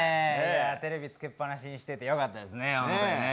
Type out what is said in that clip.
テレビつけっぱなしにしててよかったですね、ホントにね。